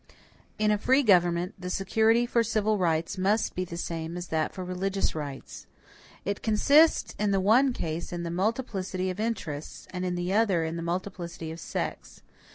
In a free government the security for civil rights must be the same as that for religious rights. It consists in the one case in the multiplicity of interests, and in the other in the multiplicity of sects.